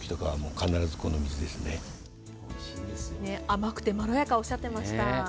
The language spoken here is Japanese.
甘くてまろやかとおっしゃってました。